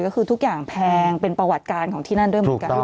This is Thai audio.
ก็คือทุกอย่างแพงเป็นประวัติการของที่นั่นด้วยเหมือนกัน